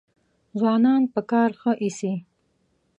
ځوانان په کار ښه ایسي.